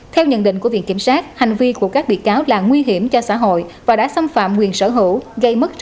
theo nhận định của viện kiểm sát